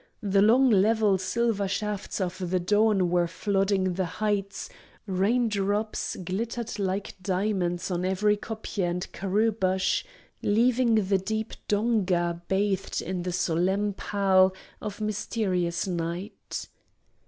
The long level silver shafts of the dawn were flooding the heights, raindrops glittered like diamonds on every kopje and karroo bush, leaving the deep donga bathed in the solemn pall of mysterious night.